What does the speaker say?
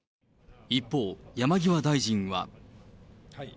一方、山際大臣は。